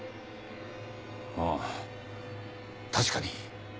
あぁ確かに。